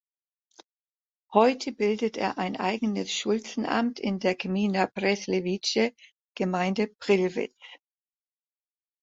Heute bildet er ein eigenes Schulzenamt in der Gmina Przelewice "(Gemeinde Prillwitz)".